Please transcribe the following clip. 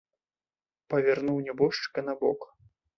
Павярнуў нябожчыка на бок.